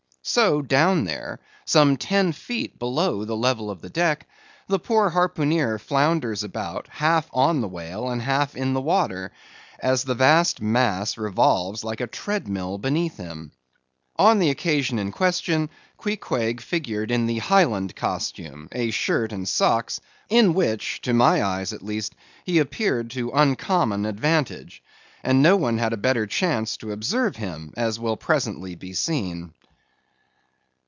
So down there, some ten feet below the level of the deck, the poor harpooneer flounders about, half on the whale and half in the water, as the vast mass revolves like a tread mill beneath him. On the occasion in question, Queequeg figured in the Highland costume—a shirt and socks—in which to my eyes, at least, he appeared to uncommon advantage; and no one had a better chance to observe him, as will presently be seen.